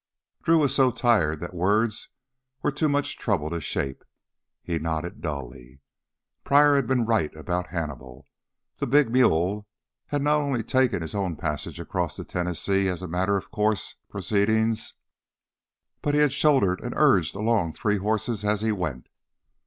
Drew was so tired that words were too much trouble to shape. He nodded dully. Pryor had been right about Hannibal. The big mule had not only taken his own passage across the Tennessee as a matter of course proceeding, but had shouldered and urged along three horses as he went.